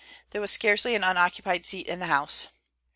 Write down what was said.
There was scarcely an unoccupied seat in the House.